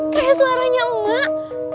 kayak suaranya emak